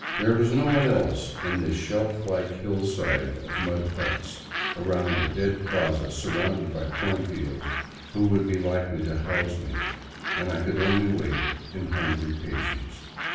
There was no one else in this shelf like hillside of 199 VAGABONDING DOWN THE ANDES mud huts around a dead plaza surrounded by cornfields who would be likely to house me, and I could or^y wait in hungry patience.